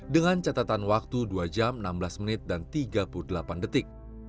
dengan catatan waktu dua jam enam belas menit dan tiga puluh delapan detik